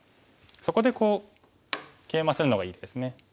そこでケイマするのがいいですね。